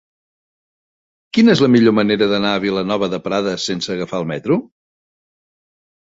Quina és la millor manera d'anar a Vilanova de Prades sense agafar el metro?